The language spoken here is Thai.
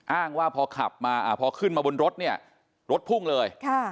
อ้างว่าพอขึ้นมาบนรถนี่รถพุ่งเลย